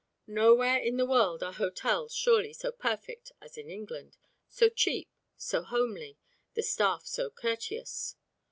Nowhere in the world are hotels, surely, so perfect as in England, so cheap, so homely, the staff so courteous.